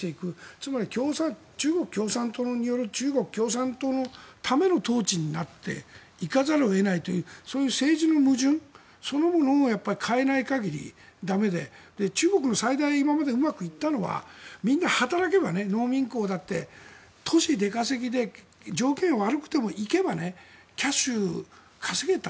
つまり中国共産党による中国共産党のための統治になっていかざるを得ないというそういう政治の矛盾そのものを変えない限り駄目で中国の最大今までうまくいったのはみんな働けば農民工だって都市出稼ぎで条件が悪くても行けば、キャッシュ稼げた。